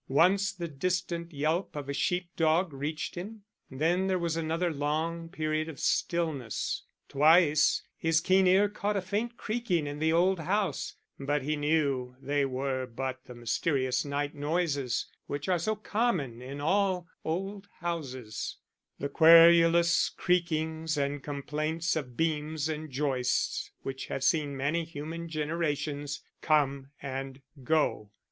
Once the distant yelp of a sheep dog reached him, then there was another long period of stillness. Twice his keen ear caught a faint creaking in the old house, but he knew they were but the mysterious night noises which are so common in all old houses: the querulous creakings and complaints of beams and joists which have seen many human generations come and go.